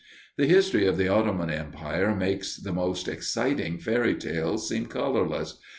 The history of the Ottoman Empire makes the most exciting fairy tale seem colorless.